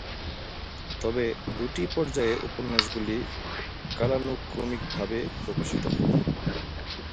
তবে দুটি পর্যায়ে উপন্যাসগুলি কালানুক্রমিকভাবে প্রকাশিত হয়।